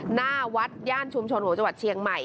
หน้าวัดย่านชุมชนหัวจังหวัดเชียงใหม่